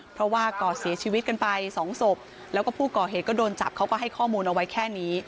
เพราะว่าก่อเสียชีวิตกันไปสองศพแล้วก็ผู้ก่อเหตุก็โดนจับเขาก็ให้ข้อมูลเอาไว้แค่นี้